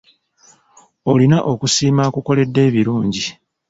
Olina okusiima akukoledde ebirungi.